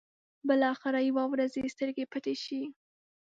بلاخره يوه ورځ يې سترګې پټې شي.